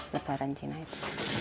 lebaran cina itu